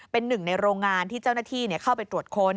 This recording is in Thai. เป็นหนึ่งในโรงงานที่เจ้าหน้าที่เข้าไปตรวจค้น